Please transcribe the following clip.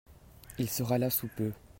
Il sera là sous peu.